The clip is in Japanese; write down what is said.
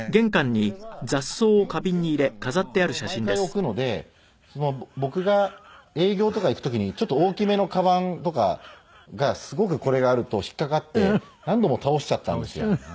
これは玄関にこれを毎回置くので僕が営業とか行く時にちょっと大きめのかばんとかがすごくこれがあると引っかかって何度も倒しちゃったんですよ。